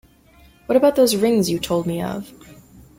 What about those rings you told me of?